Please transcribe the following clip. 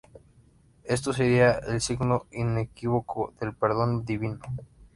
Esto sería el signo inequívoco del perdón divino.